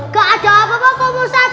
tidak ada apa apa kok ustadz